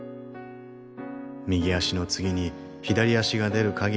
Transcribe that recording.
右足の次に左足が出る限り大丈夫。